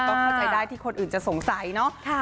ก็เข้าใจได้ที่คนอื่นจะสงสัยเนาะ